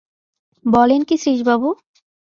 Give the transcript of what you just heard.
বলেন কী শ্রীশবাবু!